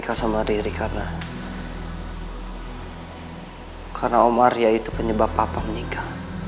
mama mama gak harus duin aku menikah sama riri